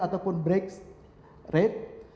ataupun break red